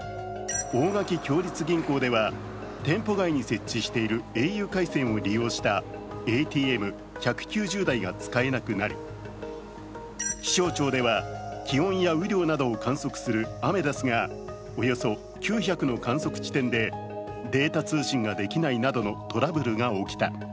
大垣共立銀行では、店舗外に設置しているａｕ回線を利用したＡＴＭ１９０台が使えなくなり気象庁では気温や雨量などを観測するアメダスがおよそ９００の観測地点でデータ通信ができないなどのトラブルが起きた。